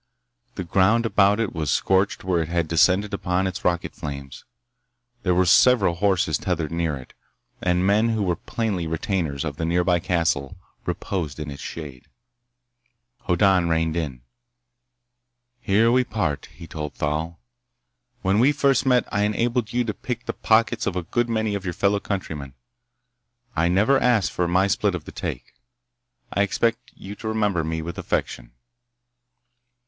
The ground about it was scorched where it had descended upon its rocket flames. There were several horses tethered near it, and men who were plainly retainers of the nearby castle reposed in its shade. Hoddan reined in. "Here we part," he told Thal. "When we first met I enabled you to pick the pockets of a good many of your fellow countrymen. I never asked for my split of the take. I expect you to remember me with affection."